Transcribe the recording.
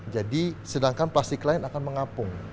jadi sedangkan plastik lain akan mengapung